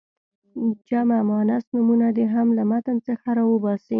جمع مؤنث نومونه دې هم له متن څخه را وباسي.